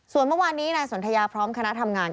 ส่วนเมื่อวานนี้นายสนทยาพร้อมคณะทำงาน